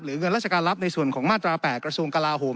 เงินราชการรับในส่วนของมาตรา๘กระทรวงกลาโหม